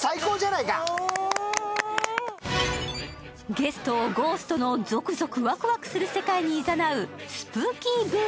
ゲストをゴーストのゾクゾク、わくわくする世界に誘うスプーキー“ＢＯＯ！